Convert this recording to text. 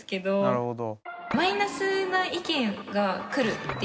なるほど。